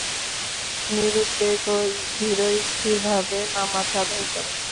নিরুদ্বেগ ও ধিরস্থিরভাবে নামাজ আদায় করেন।